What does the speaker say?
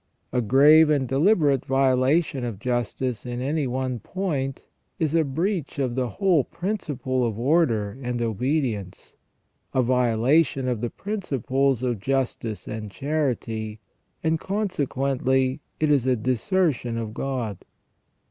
A grave and deliberate violation of justice in any one point is a breach of the whole principle of order and obe dience, a violation of the principles of justice and charity, and consequently it is a desertion of God.